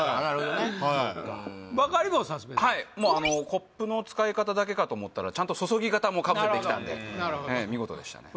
コップの使い方だけかと思ったら注ぎ方もかぶせてきたんで見事でしたね